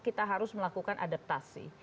kita harus melakukan adaptasi